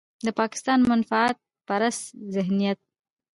د پاکستان منفعت پرست ذهنيت.